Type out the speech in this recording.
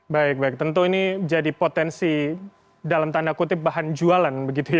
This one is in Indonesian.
baik baik tentu ini jadi potensi dalam tanda kutip bahan jualan begitu ya